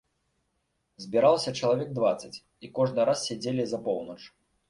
Збіралася чалавек дваццаць, і кожны раз сядзелі за поўнач.